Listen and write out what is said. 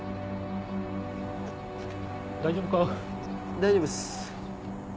大丈夫っす。